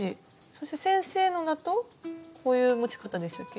そして先生のだとこういう持ち方でしたっけ。